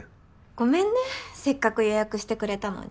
ごめんねせっかく予約してくれたのに。